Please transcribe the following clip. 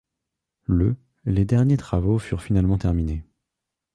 Le les derniers travaux furent finalement terminés.